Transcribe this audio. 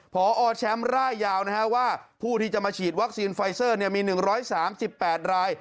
พอแชมป์ร่ายยาวว่าผู้ที่จะมาฉีดวัคซีนไฟเซอร์มี๑๓๘ราย